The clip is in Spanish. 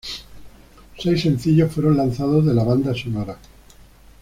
Seis sencillos fueron lanzados de la banda sonora.